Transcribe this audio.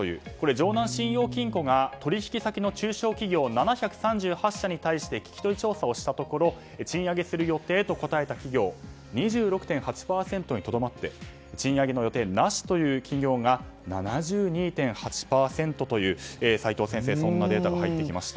城南信用金庫が取引先の中小企業７３８社に対して聞き取り調査をしたところ賃上げする予定と答えた企業は２６．８％にとどまって賃上げの予定なしという企業が７２．８％という齋藤先生そんなデータが入ってきました。